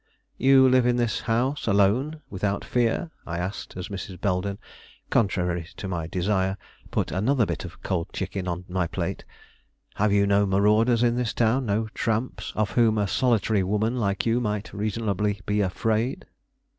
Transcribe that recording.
"You live in this house alone, without fear?" I asked, as Mrs. Belden, contrary to my desire, put another bit of cold chicken on my plate. "Have you no marauders in this town: no tramps, of whom a solitary woman like you might reasonably be afraid?"